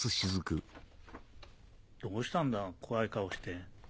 どうしたんだ怖い顔して。